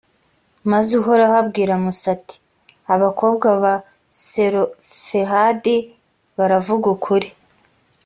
maze uhoraho abwira musa, ati abakobwa ba selofehadi baravuga ukuri.